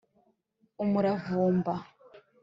umuravumba